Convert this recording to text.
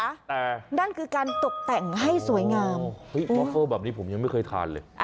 แต่นั่นคือการตกแต่งให้สวยงามเฮ้ยบอเฟอร์แบบนี้ผมยังไม่เคยทานเลย